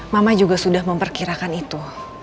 mama juga sudah memperkirakan itu